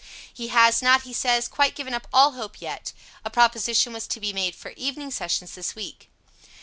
He has not, he says, quite given up all hope yet. A proposition was to be made for evening sessions this week.